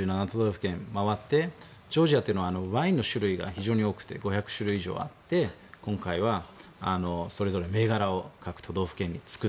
最後のゴールは４７都道府県回ってジョージアというのはワインの種類が非常に多くて５００種類以上あって今回はそれぞれ銘柄を各都道府県に作った。